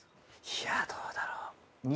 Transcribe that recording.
いやどうだろう？